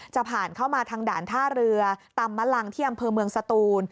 จะผ่านเข้ามาทางด่านท่าเรือตำมะลังที่อำเภอเมืองสตูน